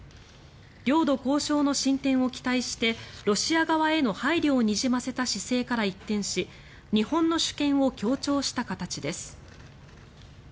領土交渉の進展を期待してロシア側への配慮をにじませた姿勢から一転し日本の主権を強調した形です。